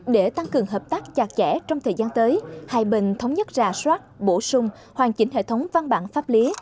để tăng cường hợp tác chặt chẽ trong thời gian tới hai bên thống nhất rà soát bổ sung hoàn chỉnh hệ thống văn bản pháp lý